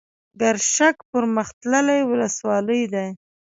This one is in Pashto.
ګرشک پرمختللې ولسوالۍ ده.